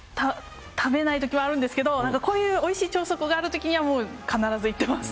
食べないときもあるんですけど、なんかこういうおいしい朝食があるときには、もう必ず行ってます。